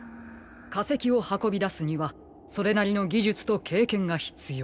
かせきをはこびだすにはそれなりのぎじゅつとけいけんがひつよう。